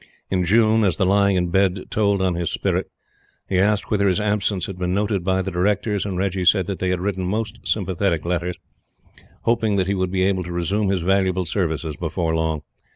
In June, as the lying in bed told on his spirit, he asked whether his absence had been noted by the Directors, and Reggie said that they had written most sympathetic letters, hoping that he would be able to resume his valuable services before long.